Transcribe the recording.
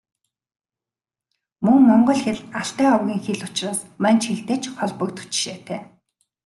Мөн Монгол хэл Алтай овгийн хэл учраас Манж хэлтэй ч холбогдох жишээтэй.